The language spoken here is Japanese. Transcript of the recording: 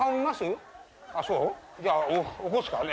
じゃあ起こすからね。